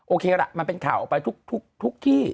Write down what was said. โอเคล่ะมันเป็นข่าวออกไปทุกที่